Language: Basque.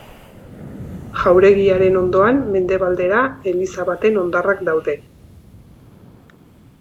Jauregiaren ondoan, mendebaldera, eliza baten hondarrak daude.